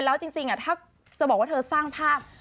แล้วจริงถ้าจะบอกว่าเธอสร้างภาพ